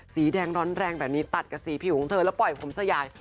สีแดงร้อนแรงแบบนี้ตัดกับสีผิวของเธอแล้วปล่อยผมสยาย